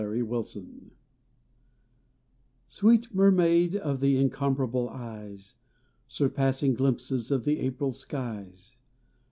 THh MhKMAID Sweet inennaid of the incomparable eyes, Surpassing glimpses of the April skies.